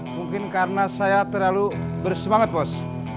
mungkin karena saya terlalu bersemangat pos